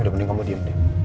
udah mending kamu diem deh